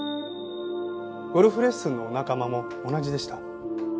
ゴルフレッスンのお仲間も同じでした。